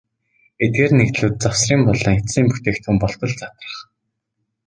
Эдгээр нэгдлүүд завсрын болон эцсийн бүтээгдэхүүн болтол задрах.